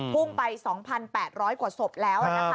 พุ่งไป๒๘๐๐กว่าศพแล้ว